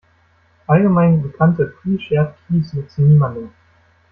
Allgemein bekannte Pre-shared keys nutzen niemandem.